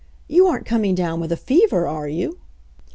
"You aren't coming down with a fever, are you?"